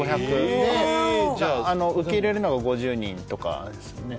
あの受け入れるのが５０人とかですね